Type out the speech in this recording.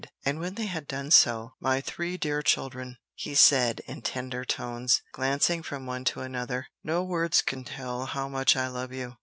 And when they had done so, "My three dear children," he said in tender tones, glancing from one to another, "no words can tell how much I love you.